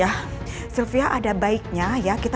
helfer terima kasih